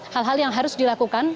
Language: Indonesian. hal hal yang harus dilakukan